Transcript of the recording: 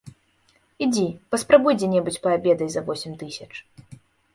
Ідзі, паспрабуй дзе-небудзь паабедай за восем тысяч.